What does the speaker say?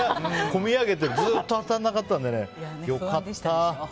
込み上げて、ずっと当たらなかったので良かった。